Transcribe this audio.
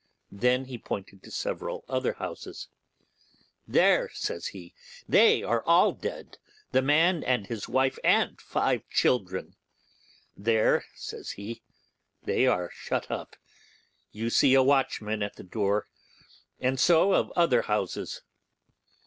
Then he pointed to several other houses. 'There', says he, 'they are all dead, the man and his wife, and five children. There', says he, 'they are shut up; you see a watchman at the door'; and so of other houses.